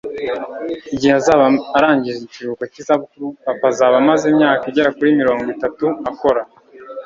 Igihe azaba arangije ikiruhuko cyizabukuru papa azaba amaze imyaka igera kuri mirongo itatu akora